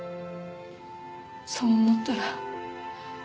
そう思ったら。